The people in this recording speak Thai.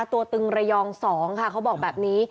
ตัวตึงระยองสองค่ะเขาบอกแบบนี้